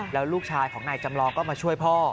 แล้วลูกชายของนายจำลองก็มาช่วยพ่อ